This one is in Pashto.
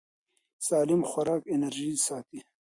سالم خوراک انرژي ساتي.